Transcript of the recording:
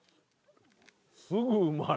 すぐうまい。